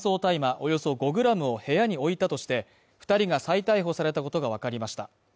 およそ５ｇお部屋に置いたとして、２人が再逮捕されたことがわかりました。